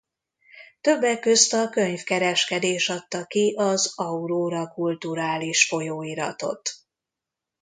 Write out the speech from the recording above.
Többek közt a könyvkereskedés adta ki az Auróra kulturális folyóiratot.